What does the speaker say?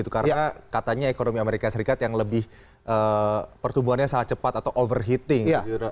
karena katanya ekonomi amerika serikat yang lebih pertumbuhannya sangat cepat atau overheating